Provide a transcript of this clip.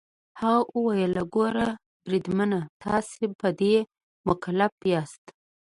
هغه وویل: ګوره بریدمنه، تاسي په دې مکلف یاست.